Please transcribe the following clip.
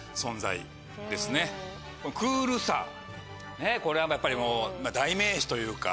クールさこれはやっぱりもう代名詞というか。